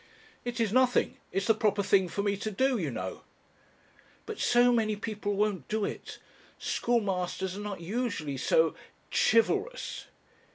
"It is nothing it's the proper thing for me to do, you know." "But so many people won't do it. Schoolmasters are not usually so chivalrous."